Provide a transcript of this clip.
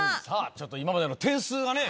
ちょっと今までの点数がね